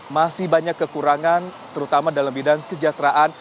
masih banyak kekurangan terutama dalam bidang kesejahteraan